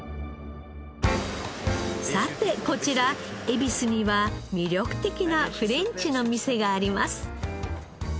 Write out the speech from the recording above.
さてこちら恵比寿には魅力的なフレンチの店があります。